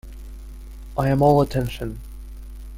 I am all attention.